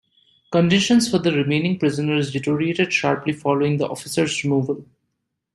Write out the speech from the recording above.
Conditions for the remaining prisoners deteriorated sharply following the officers' removal.